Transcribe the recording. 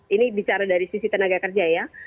ini bicara dari sisi tenaga kerja ya